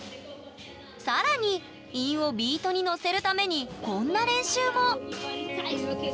更に韻をビートにのせるためにこんな練習も！